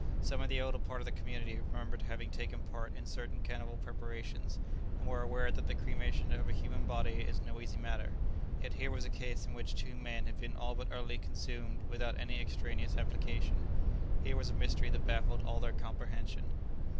Some of the elder part of the community remembered having taken part in certain cannibal preparations, and were aware that the cremation of a human body is no easy matter, yet here was a case in which two men had been all but utterly consumed without any extraneous application. Here was a mystery that baffled all their comprehension.